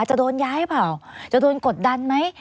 จะโดนย้ายหรือเปล่าจะโดนกดดันไหม